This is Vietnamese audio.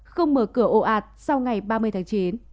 không mở cửa ồ ạt sau ngày ba mươi tháng chín